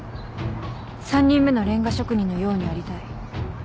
３人目のレンガ職人のようにありたい。